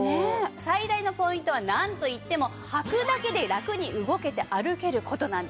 最大のポイントはなんといってもはくだけでラクに動けて歩ける事なんですね。